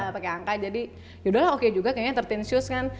pake angka jadi yaudah lah oke juga kayaknya tiga belas shoes kan